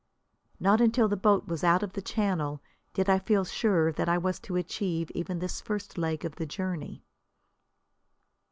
Not until the boat was out in the channel did I feel sure that I was to achieve even this first leg of the journey.